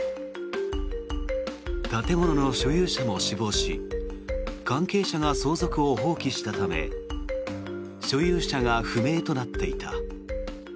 建物の所有者も死亡し関係者が相続を放棄したため所有者が不明となっていた。